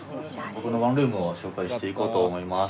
僕のワンルームを紹介していこうと思います。